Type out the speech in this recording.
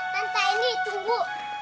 tante ini tunggu